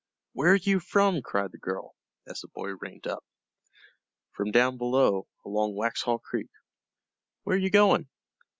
"Where you from?" cried the girl, as the boy reined up. "From down below, along Waxhaw Creek." "Where you going?"